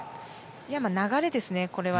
流れですね、これは。